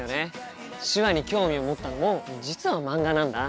手話に興味を持ったのも実は漫画なんだ。